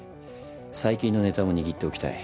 最近のネタも握っておきたい。